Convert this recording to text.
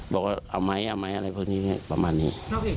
แบบว่าเอาไหมอะไรพวกนี้นี้ประมาณนี้